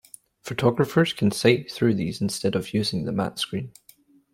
Photographers can sight through these instead of using the matte screen.